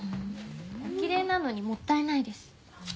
おきれいなのにもったいないです。